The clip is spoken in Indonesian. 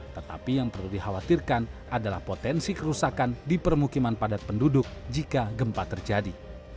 tetapi yang perlu dikhawatirkan adalah potensi kerusakan di permukiman padat penduduk jika gempa terjadi